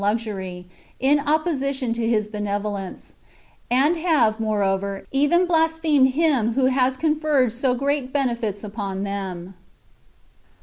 373 luxury, in opposition to His benevolence, and have, moreover, even blasphemed Him who has conferred so great benefits upon them.